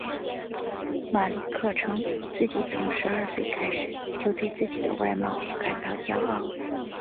马利克称自己从十二岁开始就对自己的外貌感到骄傲。